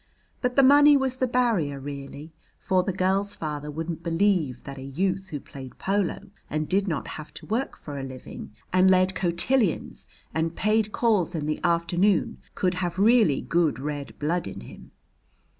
But the money was the barrier really, for the girl's father wouldn't believe that a youth who played polo, and did not have to work for a living, and led cotillons, and paid calls in the afternoon could have really good red blood in him.